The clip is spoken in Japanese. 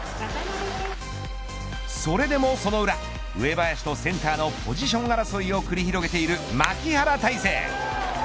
それでも、その裏上林と、センターのポジション争いを繰り広げている牧原大成。